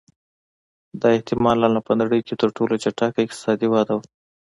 دا احتما لا په نړۍ کې تر ټولو چټکه اقتصادي وده وه